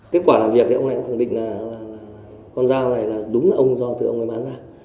kết quả làm việc thì ông này cũng khẳng định là con dao này là đúng là ông do từ ông ấy bán ra